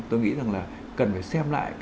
tôi nghĩ là cần phải xem lại